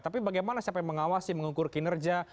tapi bagaimana siapa yang mengawasi mengukur kinerja